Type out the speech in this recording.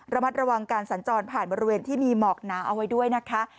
ระมัดระวังการสัญจรผ่านบริเวณที่มีหมอกหนาเอาไว้ด้วยนะคะ